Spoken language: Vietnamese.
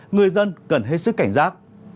người dân cần hết sức cảnh giác